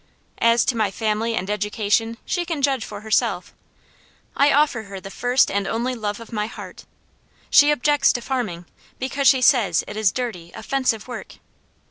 As to my family and education she can judge for herself. I offer her the first and only love of my heart. She objects to farming, because she says it is dirty, offensive work.